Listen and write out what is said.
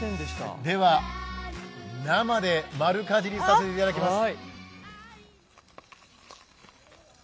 では、生で丸かじりさせていただきます。